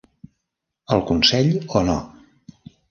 Al consell o no.